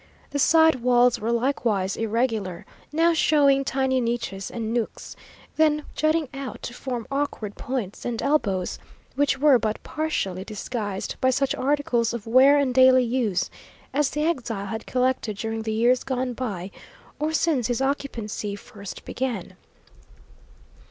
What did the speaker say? The side walls were likewise irregular, now showing tiny niches and nooks, then jutting out to form awkward points and elbows, which were but partially disguised by such articles of wear and daily use as the exile had collected during the years gone by, or since his occupancy first began.